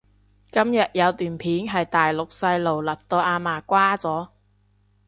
今日有段片係大陸細路勒到阿嫲瓜咗？